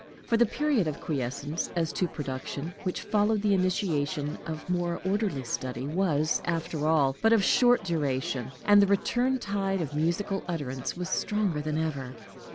For the period of quiescence as to production, which followed the initiation of more orderly study, was, after all, but of short duration, and the return tide of musical utterance was stronger than ever.